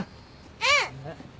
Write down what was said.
うん。